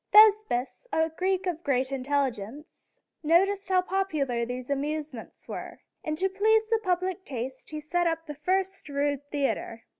Thes´pis, a Greek of great intelligence, noticed how popular these amusements were, and to please the public taste he set up the first rude theater.